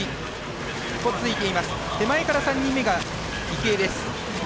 手前から３人目が池江です。